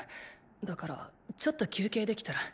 だからちょっと休憩できたら。